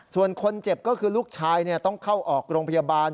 ส่วนคนเจ็บก็คือลูกชายต้องเข้าออกโรงพยาบาล